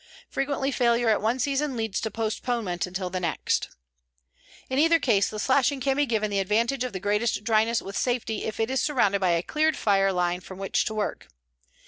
Frequently failure at one season leads to postponement until the next. In either case the slashing can be given the advantage of the greatest dryness with safety if it is surrounded by a cleared fire line from which to work.